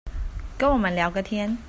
跟我們聊個天